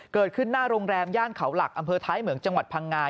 หน้าโรงแรมย่านเขาหลักอำเภอท้ายเหมืองจังหวัดพังงา